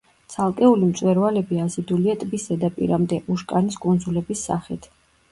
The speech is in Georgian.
ცალკეული მწვერვალები აზიდულია ტბის ზედაპირამდე უშკანის კუნძულების სახით.